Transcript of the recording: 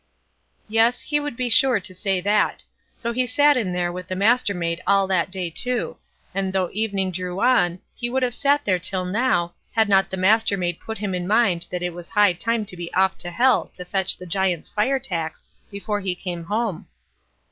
'" Yes; he would be sure to say that; so he sat in there with the Mastermaid all that day too; and though evening drew on, he would have sat there till now, had not the Mastermaid put him in mind that it was high time to be off to Hell to fetch the Giant's fire tax before he came home.